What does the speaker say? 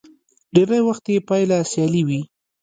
ډېری وخت يې پايله سیالي وي.